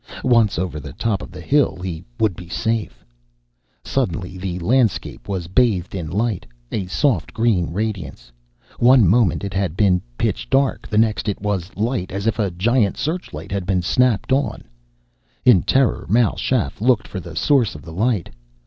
Once over the top of the hill he would be safe. Suddenly the landscape was bathed in light, a soft green radiance. One moment it had been pitch dark, the next it was light, as if a giant search light had been snapped on. In terror, Mal Shaff looked for the source of the light.